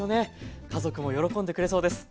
家族も喜んでくれそうです。